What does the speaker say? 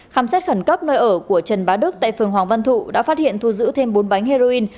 khám xét khẩn cấp nơi ở của trần bá đức tại phường hoàng văn thụ đã phát hiện thu giữ thêm bốn bánh heroin